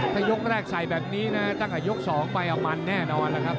ถ้ายกแรกใส่แบบนี้นะตั้งแต่ยก๒ไปเอามันแน่นอนแล้วครับ